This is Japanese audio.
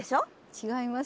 違います。